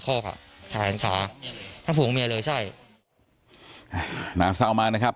ค่ะถ่ายขาถ้าผูกเมียเลยใช่น้ำเศร้ามากนะครับ